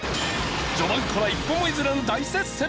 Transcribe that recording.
序盤から一歩も譲らぬ大接戦！